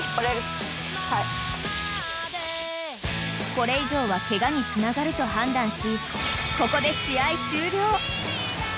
［これ以上はケガにつながると判断しここで］